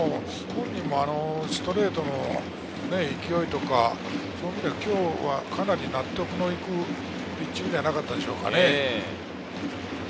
本人もストレートの勢いとか、そういう意味では今日は納得のいくピッチングではなかったでしょうか。